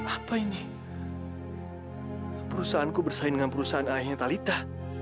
apa ini perusahaanku bersaing dengan perusahaan ayahnya talitha